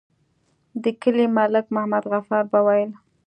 د کلي ملک محمد غفار به ويل.